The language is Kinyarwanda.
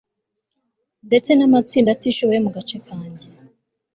ndetse namatsinda atishoboye yo mu gace kanjye